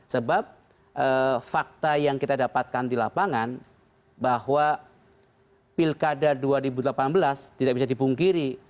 sebab fakta yang kita dapatkan di lapangan bahwa pilkada dua ribu delapan belas tidak bisa dipungkiri